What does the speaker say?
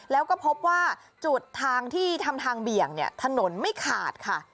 แล้วก็พบว่าจุดทางที่ทำทางเบี่ยงเนี่ยถนนไม่ขาดค่ะ